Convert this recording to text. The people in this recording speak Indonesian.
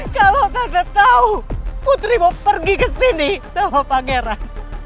kalau tante tau putri mau pergi kesini sama pangeran